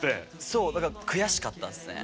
そうだからくやしかったですね。